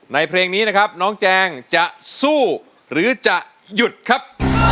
เพลงนี้นะครับน้องแจงจะสู้หรือจะหยุดครับ